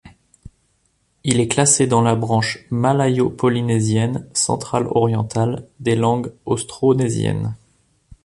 Il est classé dans la branche malayo-polynésienne centrale-orientale des langues austronésiennes.